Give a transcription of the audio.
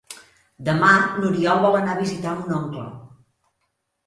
Demà n'Oriol vol anar a visitar mon oncle.